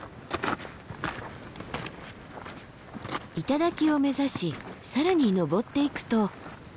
頂を目指し更に登っていくと。